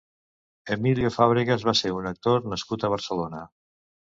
Emilio Fábregas va ser un actor nascut a Barcelona.